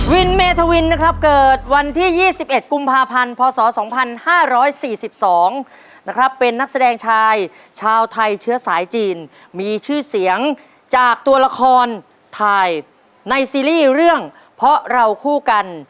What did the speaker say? เมธวินนะครับเกิดวันที่๒๑กุมภาพันธ์พศ๒๕๔๒นะครับเป็นนักแสดงชายชาวไทยเชื้อสายจีนมีชื่อเสียงจากตัวละครถ่ายในซีรีส์เรื่องเพราะเราคู่กัน